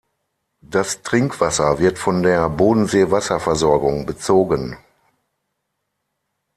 Das Trinkwasser wird von der Bodensee-Wasserversorgung bezogen.